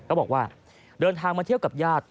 ก็บอกว่าเดินทางมาเที่ยวกับญาติ